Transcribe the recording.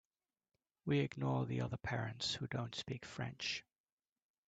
We ignore the other parents who don’t speak French.